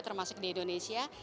termasuk di indonesia